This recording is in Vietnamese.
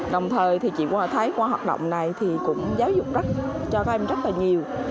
đồng thời thì chỉ có thể thấy qua hoạt động này thì cũng giáo dục cho các em rất là nhiều